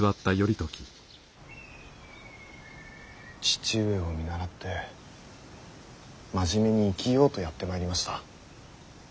父上を見習って真面目に生きようとやってまいりました。